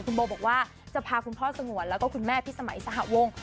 คุณโบบอกว่าจะพาคุณพ่อสงวนแล้วก็คุณแม่พิสมัยสหวง